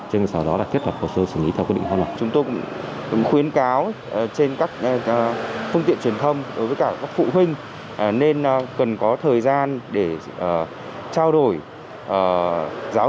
trên cơ sở đó là kết hoạt cuộc sống xử lý theo quy định hoàn toàn